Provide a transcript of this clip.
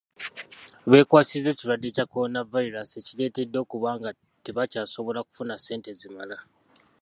Beekwasizza ekirwadde kya Kolonavayiraasi ekireetedde okuba nga tebakyasobola kufuna sente zimala.